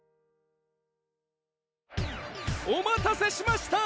お待たせしました！